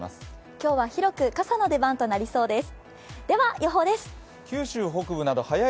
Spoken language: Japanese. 今日は広く傘の出番となりそうです。